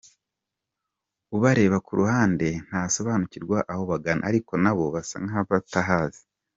Ubarebera ku ruhande ntasobanukirwa aho bagana, ariko na bo basa n’abatahazi.